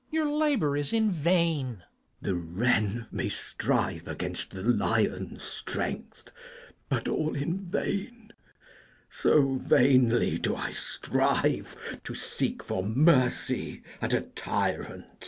your labour is in vain. K. Edw. The wren may strive against the lion's strength, But all in vain: so vainly do I strive To seek for mercy at a tyrant's hand.